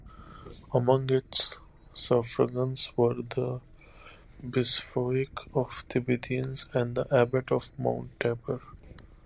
Among its suffragans were the Bishopric of Tiberias and the Abbot of Mount Tabor.